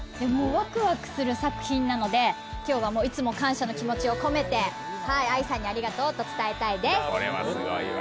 ワクワクする作品なので、いつも感謝の気持ちを込めてＡＩさんにありがとうと伝えたいです。